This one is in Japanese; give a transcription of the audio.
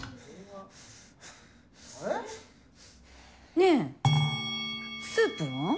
ねぇスープは？